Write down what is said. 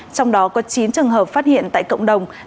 trong đó có chín trường hợp phát hiện tại cộng đồng